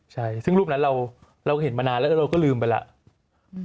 ใช่ซึ่งรูปนั้นเราเห็นมานานแล้วเราก็ลืมไปแล้ว